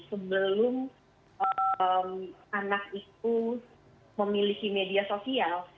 sebelum anak itu memiliki media sosial